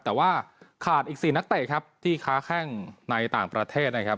แต่ว่าขาดอีก๔นักเตะครับที่ค้าแข้งในต่างประเทศนะครับ